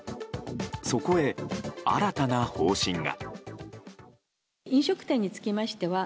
そこへ、新たな方針が。